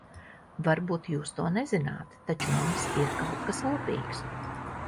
Varbūt jūs to nezināt, taču mums ir kaut kas kopīgs.